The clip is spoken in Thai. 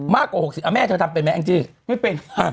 มากกว่า๖๐แม่เธอทำเป็นไหมแองจี้ไม่เป็น